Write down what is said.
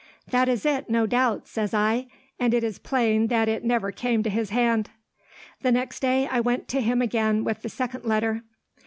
"'That is it, no doubt,' says I; 'and it is plain that it never came to his hand.' "The next day, I went to him again with the second letter.